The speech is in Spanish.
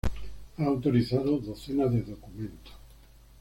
Ha autorizado docenas de documentos.